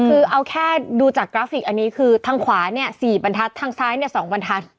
คือเอาแค่ดูจากกราฟิกอันนี้คือทางขวาเนี่ย๔บรรทัศน์ทางซ้ายเนี่ย๒บรรทัศน์